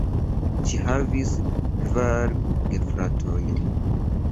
Ŝi havis kvar gefratojn.